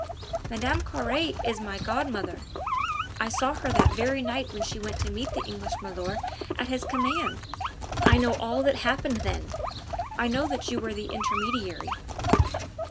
Mme. Carre is my godmother.... I saw her the very night when she went to meet the English milor' at his commands. I know all that happened then.... I know that you were the intermediary."